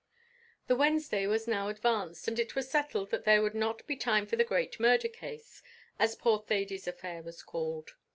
The Wednesday was now advanced, and it was settled that there would not be time for the great murder case, as poor Thady's affair was called.